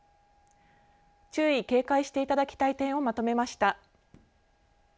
注意、警戒していただきたい点をまとめました。